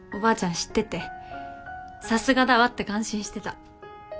知ってて「さすがだわ」って感心してた。